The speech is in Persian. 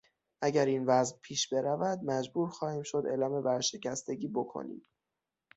اگر این وضع پیش برود مجبور خواهیم شد اعلام ورشکستگی بکنیم.